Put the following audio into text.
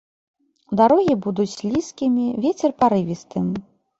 Дарогі будуць слізкімі, вецер парывістым.